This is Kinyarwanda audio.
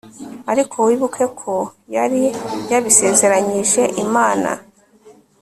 ariko wibuke ko yari yabisezeranyije imana